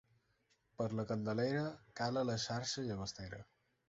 Per la Candelera cala la xarxa llagostera.